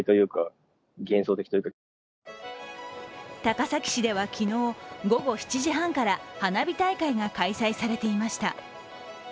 高崎市では昨日、午後７時半から花火大会が開催されていました。